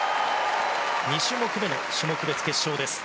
２種目めの種目別決勝です。